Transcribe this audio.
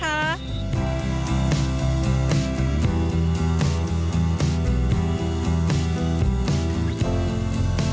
สวัสดีครับทุกคน